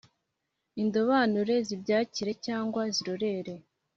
indobanure zibyakire cyangwa zirorere!